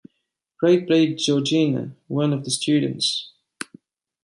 Wright played Georgina, one of the students.